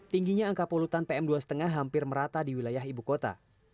tingginya angka polutan pm dua lima hampir merata di wilayah ibu kota